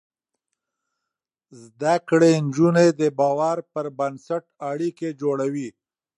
زده کړې نجونې د باور پر بنسټ اړيکې جوړوي.